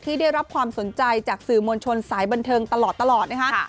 ได้รับความสนใจจากสื่อมวลชนสายบันเทิงตลอดนะคะ